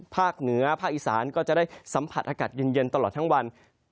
ภาคเหนือภาคอีสานก็จะได้สัมผัสอากาศเย็นตลอดทั้งวัน